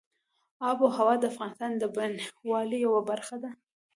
آب وهوا د افغانستان د بڼوالۍ یوه برخه ده.